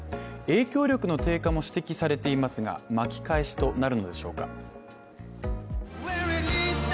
影響力の低下も指摘されていますが巻き返しとなるのでしょうか。